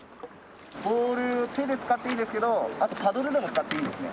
ボール手で使っていいんですけどあとパドルでも使っていいんですね。